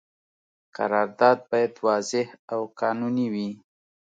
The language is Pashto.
قرارداد باید واضح او قانوني وي.